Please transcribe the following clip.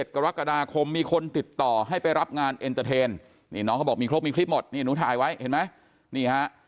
๑๗กรกฎาคมมีคนติดต่อให้ไปรับงานเอนเตอร์เทนน้องเขาบอกมีคลิปหมดนูถ่ายไว้เห็นไหม